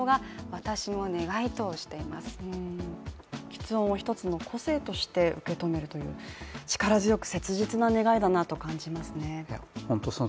きつ音を一つの個性として受け止めるという力強く切実な願いだなと感じますね。